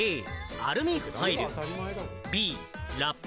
アルミホイルとラップ。